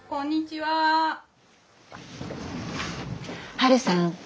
ハルさん